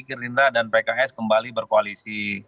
gerindra dan pks kembali berkoalisi